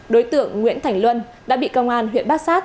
đối tượng nguyễn thành luân đã bị công an huyện bát sát